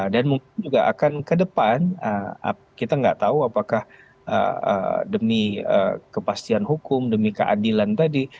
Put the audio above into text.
dan mungkin juga akan ke depan kita nggak tahu apakah demi kepastian hukum demi keadilan tadi